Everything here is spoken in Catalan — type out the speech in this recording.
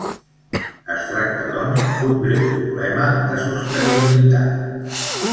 Es tracta doncs d'un greu problema de sostenibilitat.